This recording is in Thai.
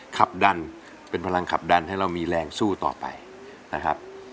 ขับดันเป็นพลังขับดันให้เรามีแรงสู้ต่อไปนะครับ